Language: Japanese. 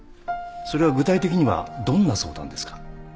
それは具体的にはどんな相談ですか？